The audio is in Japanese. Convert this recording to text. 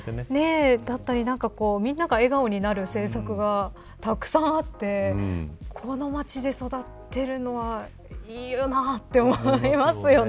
みんなが笑顔になる政策がたくさんあってこの町で育てるのはいいなと思いますよね。